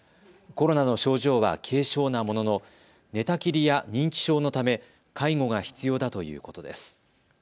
コロナの症状は軽症なものの寝たきりや認知症のため介護が必要だということです。